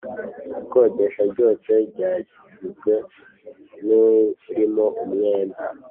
Ikodesha ryose ryagizwe n urimo umwenda